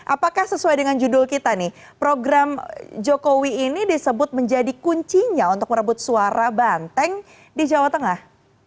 apakah sesuai dengan judul kita nih program jokowi ini disebut menjadi kuncinya untuk merebut suara banteng di jawa tengah